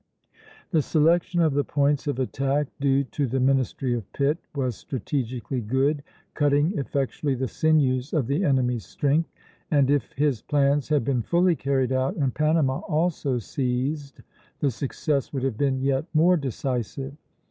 " The selection of the points of attack, due to the ministry of Pitt, was strategically good, cutting effectually the sinews of the enemy's strength; and if his plans had been fully carried out and Panama also seized, the success would have been yet more decisive.